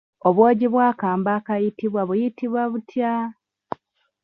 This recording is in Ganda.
Obwogi bw'akambe akayitibwa buyitibwa butya?